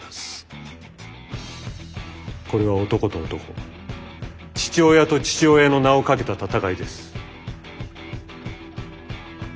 これは男と男父親と父親の名をかけた戦いです。